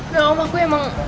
no om aku emang